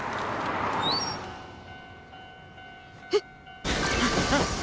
えっ！？